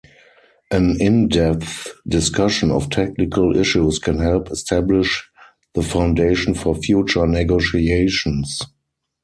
An in-depth discussion of technical issues can help establish the foundation for future negotiations.